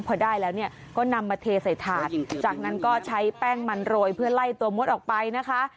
พอได้แล้วเนี่ยก็นำมาเทใส่ถาดจากนั้นก็ใช้แป้งมันโรยเพื่อไล่ตัวมดออกไปนะคะ